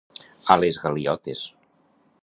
A les galiotes.